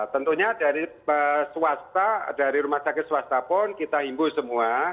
tentunya dari swasta dari rumah sakit swasta pun kita himbu semua